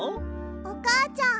おかあちゃん。